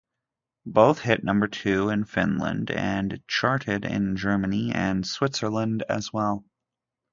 Both hit number two in Finland, and charted in Germany and Switzerland as well.